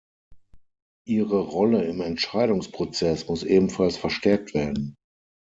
Ihre Rolle im Entscheidungsprozess muss ebenfalls verstärkt werden.